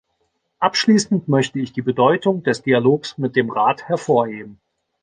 Abschließend möchte ich die Bedeutung des Dialogs mit dem Rat hervorheben.